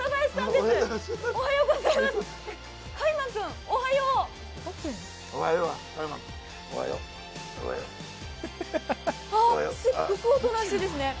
すごくおとなしいですね。